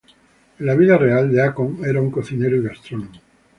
En la vida real Deacon era un cocinero y gastrónomo.